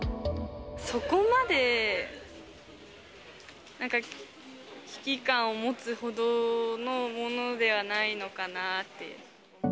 そこまで、なんか危機感を持つほどのものではないのかなって。